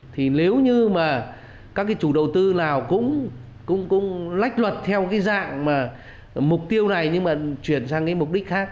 thì nếu như mà các cái chủ đầu tư nào cũng lách luật theo cái dạng mà mục tiêu này nhưng mà chuyển sang cái mục đích khác